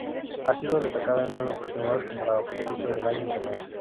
Ha sido destacada en nueve oportunidades como la Futbolista del año en Canadá.